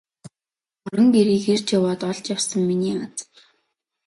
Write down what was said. Орон гэрийг эрж яваад олж явсан миний аз.